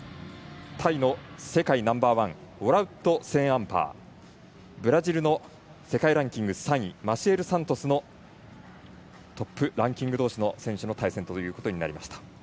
タイの世界ナンバーワンウォラウット・セーンアンパーブラジルの世界ランキング３位マシエル・サントスのトップランキング同士の選手の対戦となりました。